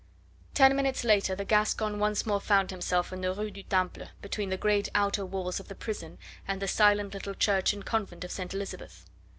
Ten minutes later the Gascon once more found himself in the Rue du Temple between the great outer walls of the prison and the silent little church and convent of St. Elizabeth.